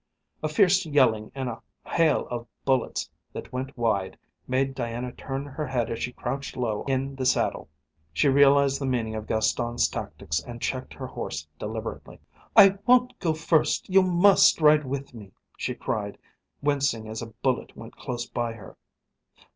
A fierce yelling and a hail of bullets that went wide made Diana turn her head as she crouched low in the saddle. She realised the meaning of Gaston's tactics and checked her horse deliberately. "I won't go first. You must ride with me," she cried, wincing as a bullet went close by her.